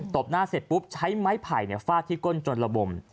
บหน้าเสร็จปุ๊บใช้ไม้ไผ่ฟาดที่ก้นจนระบม